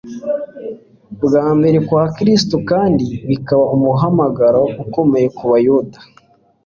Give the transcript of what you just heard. kwa mbere kwa Kristo kandi bikaba umuhamagaro ukomeye ku bayuda,